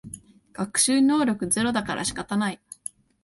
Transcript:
学習能力ゼロだから仕方ない